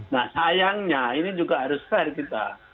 nah sayangnya ini juga harus fair kita